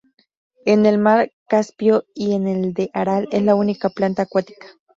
En el mar Caspio y en el de Aral es la única planta acuática.